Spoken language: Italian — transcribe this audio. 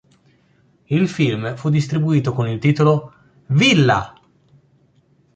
Il film fu distribuito con il titolo "Villa!!